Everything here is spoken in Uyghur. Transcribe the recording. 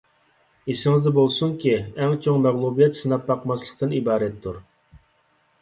ئېسىڭىزدە بولسۇنكى، ئەڭ چوڭ مەغلۇبىيەت سىناپ باقماسلىقتىن ئىبارەتتۇر.